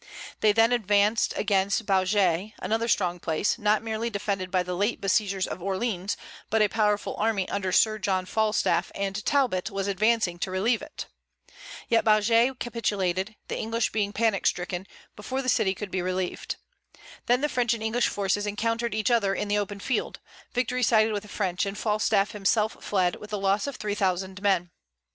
They then advanced against Baugé, another strong place, not merely defended by the late besiegers of Orleans, but a powerful army under Sir John Falstaff and Talbot was advancing to relieve it. Yet Baugé capitulated, the English being panic stricken, before the city could be relieved. Then the French and English forces encountered each other in the open field: victory sided with the French; and Falstaff himself fled, with the loss of three thousand men.